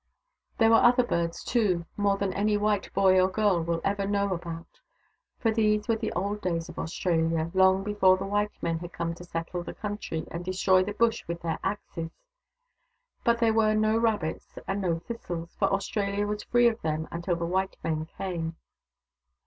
There were other birds too, more than any white boy or girl will ever know about : for these were the old days of Australia, long before the white men had come to settle the country and destroy the Bush with their axes. But there were no rabbits, and no thistles, for Australia was free from them until the white men came.